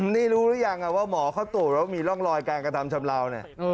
นี่รู้หรือยังว่าหมอเขาตัวแล้วมีร่องลอยการกระทำชำลาว